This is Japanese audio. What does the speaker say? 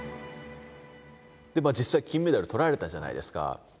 実際金メダルとられたじゃないですか。